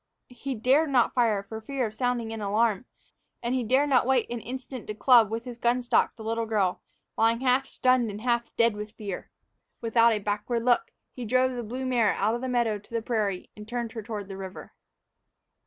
He dared not fire for fear of sounding an alarm, and he dared not wait an instant to club with his gun stock the little girl, lying stunned and half dead with fear. Without a backward look, he drove the blue mare out of the meadow to the prairie and turned her toward the river.